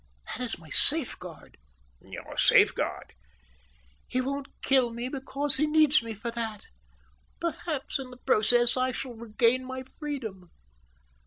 That is my safeguard." "Your safeguard?" "He won't kill me because he needs me for that. Perhaps in the process I shall regain my freedom."